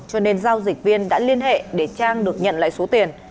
cho nên giao dịch viên đã liên hệ để trang được nhận lại số tiền